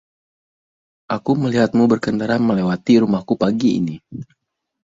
Aku melihatmu berkendara melewati rumahku pagi ini.